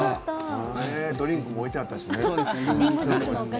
ドリンクも置いてあったしね。